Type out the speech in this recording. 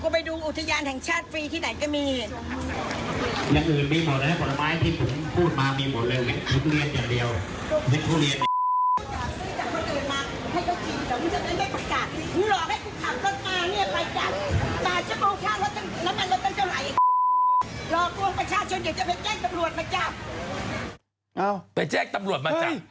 ไปแจ้งตำรวจมาจับ